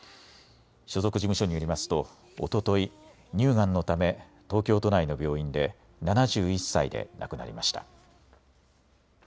所属事務所によりますとおととい乳がんのため東京都内の病院で７１歳で亡くなりました。